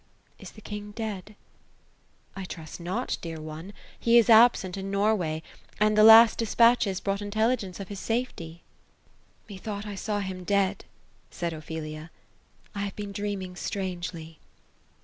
*< Is the king dead V* ^^ I trust not, dear one. He is absent in Norway ; and the last des patches brought intelligence of his safety." THE ROSE OF ELSTNORE. 255 *^ Methought I saw him, dead ;" said Ophelia. ^ I have been dream ing strangely."